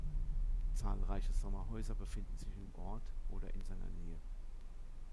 Zahlreiche Sommerhäuser befinden sich im Ort oder in seiner Nähe.